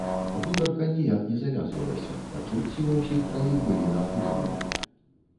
Гутарка ніяк не завязвалася, пачуцці ва ўсіх траіх былі напружаныя.